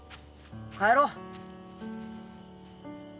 帰ろう。